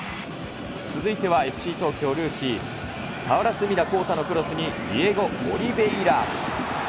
続いてはＦＣ東京ルーキー、俵積田晃太のクロスに、ディエゴ・オリヴェイラ。